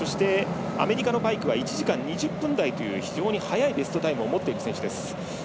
アメリカのパイクは１時間２０分台という非常に早いベストタイムを持っている選手です。